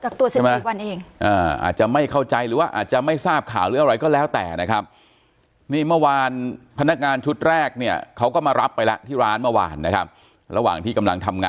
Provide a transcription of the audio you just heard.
กักตัวเสร็จอีกวันเอง